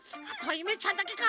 ゆめちゃんだけか。